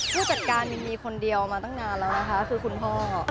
ผู้จัดการมีคนเดียวมาตั้งนานแล้วนะคะคือคุณพ่อ